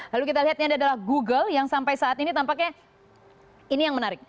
lalu kita lihat ini adalah google yang sampai saat ini tampaknya ini yang menarik